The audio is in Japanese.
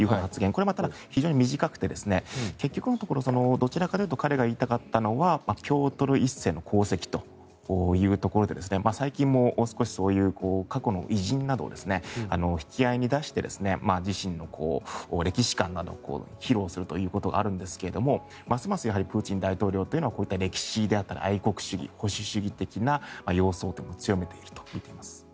これはただ、非常に短くて結局のところはどちらかというと彼が言いたかったのはピョートル１世の功績というところで最近も少しそういう過去の偉人などを引き合いに出して自身の歴史観を披露するということがあるんですけれどもますますプーチン大統領というのはこういった歴史であったり愛国主義保守主義的な様相を強めているといっています。